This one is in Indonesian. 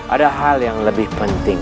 ada hal yang lebih penting